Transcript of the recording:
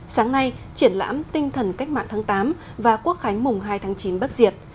sáng nay triển lãm tinh thần cách mạng tháng tám và quốc khánh mùng hai tháng chín bất diệt